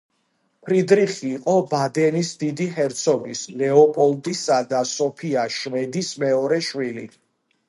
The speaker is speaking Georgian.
ფრიდრიხი იყო ბადენის დიდი ჰერცოგის, ლეოპოლდისა და სოფია შვედის მეორე შვილი.